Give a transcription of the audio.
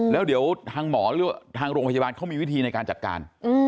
แล้วเดี๋ยวทางหมอหรือว่าทางโรงพยาบาลเขามีวิธีในการจัดการ